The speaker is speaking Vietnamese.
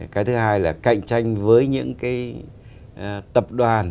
cái thứ hai là cạnh tranh với những cái tập đoàn sản xuất